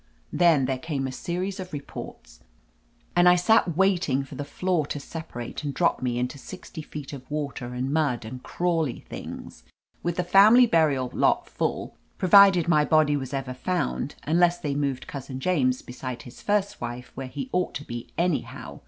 Then there came a series of reports, and I sat wait ing for the floor to separate and drop me into sixty feet of water and mud and crawly things with the family burial lot full, provided my body was ever found, unless they moved Cousin James beside his first wife, where he ought to be anyhow.